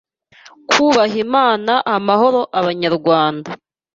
k u b a h a Im a n, Amahoro Abanyarwanda